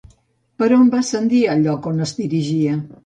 Per on va ascendir al lloc on es dirigia?